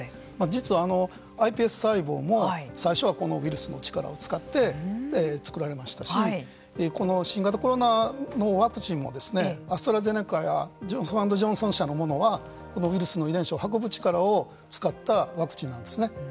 実はｉＰＳ細胞も最初はこのウイルスの力を使って作られましたしこの新型コロナのワクチンもアストラゼネカやジョンソン・エンド・ジョンソン社のものはこのウイルスの遺伝子を運ぶ力を使ったワクチンなんですね。